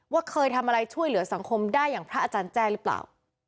ว่าเคยทำอะไรช่วยเหลือสังคมได้อย่างพระอาจารย์แจ้หรือเปล่า